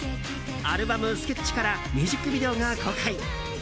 アルバム「Ｓｋｅｔｃｈ」からミュージックビデオが公開。